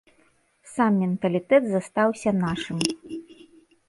Сам менталітэт застаўся нашым.